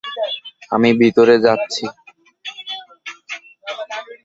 আমি ভিতরে যাচ্ছি।